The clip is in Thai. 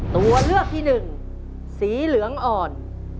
ตัวเลือกที่หนึ่งสีเหลืองอ่อน